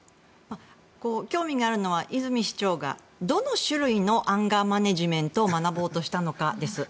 興味があるのは泉市長がどの種類のアンガーマネジメントを学ぼうとしたのかです。